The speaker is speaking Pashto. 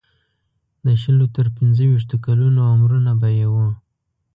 د شلو تر پنځه ویشتو کلونو عمرونه به یې وو.